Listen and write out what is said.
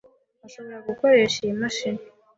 Ashobora gukoresha iyi mashini.